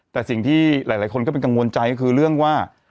แต่สิ่งที่หลายคนก็เป็นกังวลใจก็คือเรื่องว่า